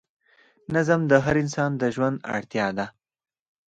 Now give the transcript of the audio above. نظم د هر انسان د ژوند اړتیا ده.